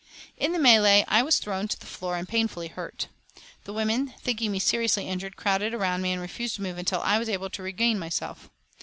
In the mêlée I was thrown to the floor and painfully hurt. The women, thinking me seriously injured, crowded around me and refused to move until I was able to regain myself.